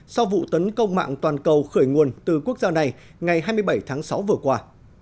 sau vụ tấn công mạng toàn cầu khởi nguồn từ quốc gia này ngày hai mươi bảy tháng sáu vừa qua